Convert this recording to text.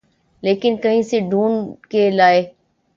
لیکن کہیں سے ڈھونڈ کے لائے۔